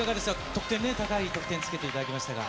得点ね、高い得点つけていただきましたが。